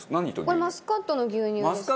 これマスカットの牛乳ですね。